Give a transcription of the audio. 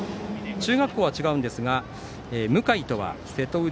中学校は違うんですが向井とは瀬戸内